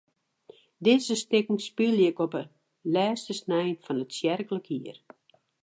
Dizze stikken spylje ik op de lêste snein fan it tsjerklik jier.